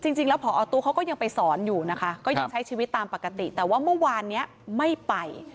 จริงแล้วพอตู้เขาก็ยังไปสอนอยู่นะคะก็ยังใช้ชีวิตตามปกติแต่ว่าเมื่อวานนี้ไม่ไป